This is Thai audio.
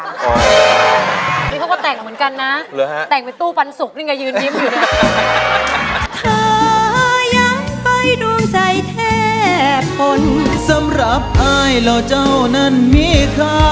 นี่เขาก็แต่งเหรอเหมือนกันนะแต่งไปตู้ฟันสุกยืนยืนยิ้มอยู่เนี่ย